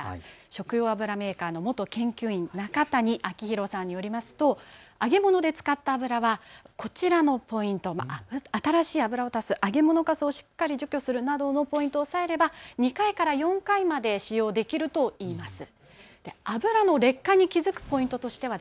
食用油メーカーの元研究員、中谷明浩さんによりますと揚げ物で使った油はこちらのポイント、新しい油を足す、揚げ物かすをしっかり除去するなどのポイントを押さえれば２回から４回まで使用できるといいます。